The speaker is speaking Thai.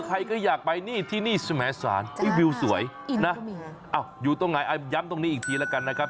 ใครก็อยากไปนี่ที่นี่สมสารวิวสวยนะอยู่ตรงไหนย้ำตรงนี้อีกทีแล้วกันนะครับ